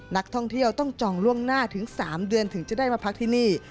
นักท่องเที่ยวต้องจองล่วงหน้าถึง๓เดือนถึงจะได้มาพักที่นี่